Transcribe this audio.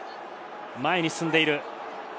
前に進んでいる。